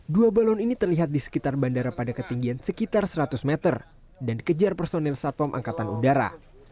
dua balon ini terlihat di sekitar bandara pada ketinggian sekitar seratus meter dan kejar personil satpom angkatan udara